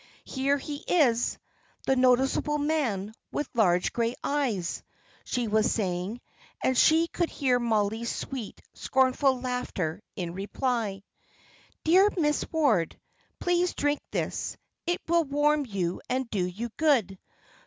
"Here he is the noticeable man, with large grey eyes," she was saying; and she could hear Mollie's sweet, scornful laughter in reply. "Dear Miss Ward, please drink this; it will warm you and do you good."